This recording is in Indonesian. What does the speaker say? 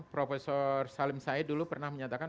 profesor salim syed dulu pernah menyatakan